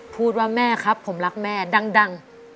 พูดว่าแม่ครับผมรักแม่ดัง